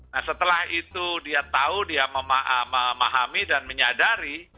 nah setelah itu dia tahu dia memahami dan menyadari